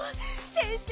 先生